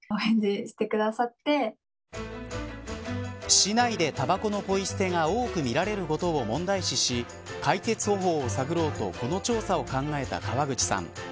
市内でたばこのポイ捨てが多く見られることを問題視し、解決方法を探ろうとこの調査を考えた川口さん。